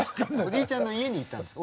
おじいちゃんの家に行ったんですか？